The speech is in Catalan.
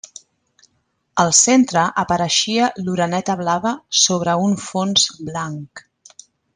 Al centre apareixia l'oreneta blava sobre un fons blanc.